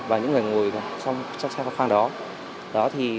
và những người ngồi trong xe khoang đó